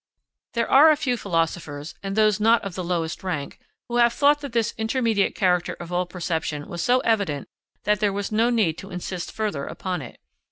There are a few philosophers, and those not of the lowest rank, who have thought that this intermediate character of all perception was so evident that there was no need to insist further upon it.